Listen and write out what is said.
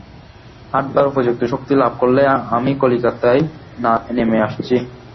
হাঁটবার উপযুক্ত শক্তি লাভ করলেই আমি কলিকাতায় নেমে আসছি।